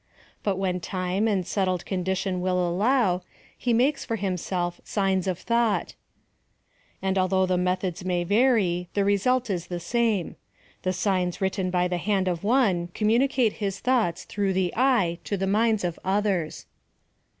But when time and settled condition will allow, he makes for liimself signs of thought; and although the methods may vary, the result is the same : the signs writ ten by the hand of one communicate his thoughts through the eye to the minds of others.